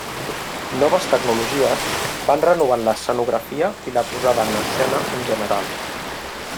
Noves tecnologies van renovant l'escenografia i la posada en escena en general.